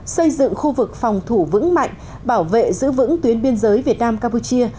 xây dựng khu vực phòng thủ vững mạnh bảo vệ giữ vững tuyến biên giới việt nam campuchia